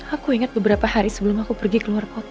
aku ingat beberapa hari sebelum aku pergi keluar kota